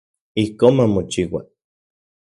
Ijkon mamochiua.